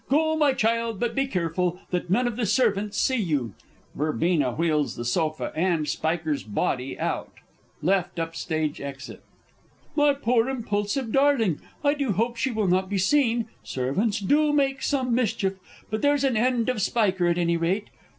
Go, my child, but be careful that none of the servants see you. (VERB. wheels the sofa and SPIKER'S body out, L.U.E.) My poor impulsive darling, I do hope she will not be seen servants do make such mischief! But there's an end of Spiker, at any rate.